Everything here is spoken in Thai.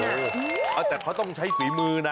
น่ากินอ่ะอ๋อแต่เขาต้องใช้ฝีมือนะ